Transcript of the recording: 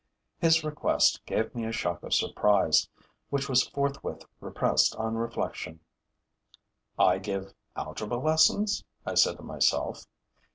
His request gave me a shock of surprise, which was forthwith repressed on reflection: 'I give algebra lessons?' said I to myself.